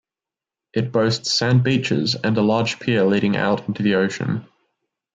It boasts sand beaches and a large pier leading out into the ocean.